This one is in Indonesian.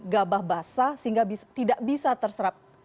gabah basah sehingga tidak bisa terserap